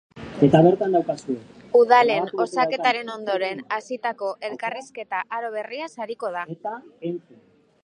Udalen osaketaren ondoren hasitako elkarrizketa-aro berriaz ariko da.